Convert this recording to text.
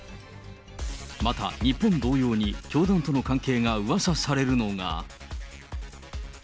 また、日本同様に教団との関係がうわさされるのが。